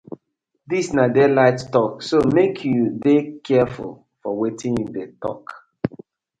Dis na daylight tok so mek yu dey carfull for wetin yu dey tok.